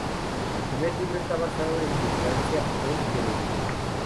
Su primer libro está basado en su estancia en Tenerife.